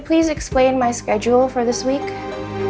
boleh kamu jelaskan schedule aku untuk minggu ini